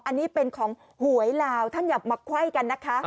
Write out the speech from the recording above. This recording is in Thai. อันนี้เป็นของหวยลาวท่านอย่ามาไขว้กันนะคะ